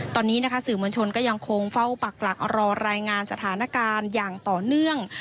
ตอนนี้นะคะสื่อมวลชนก็ยังคงเฝ้าปากหลักรอรายงานสถานการณ์อย่างต่อเนื่อง